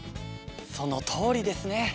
そのとおりですね！